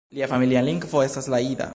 Lia familia lingvo estas la jida.